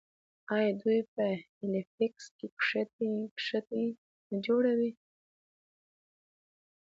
آیا دوی په هیلیفیکس کې کښتۍ نه جوړوي؟